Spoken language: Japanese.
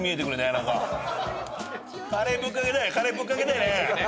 カレーぶっかけたいね。